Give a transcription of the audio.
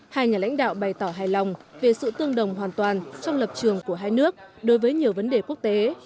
hai nhà lãnh đạo bày tỏ hài lòng về sự tương đồng hoàn toàn trong lập trường của hai nước đối với nhiều vấn đề quốc tế